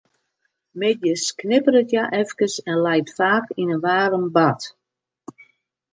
Middeis knipperet hja efkes en leit faak yn in waarm bad.